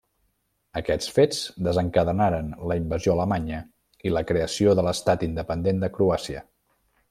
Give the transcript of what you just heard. Aquests fets desencadenaren la invasió alemanya i la creació de l'Estat independent de Croàcia.